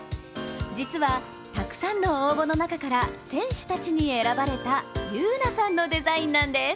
実はたくさんの応募の中から選手たちに選ばれた優来さんのデザインなんです。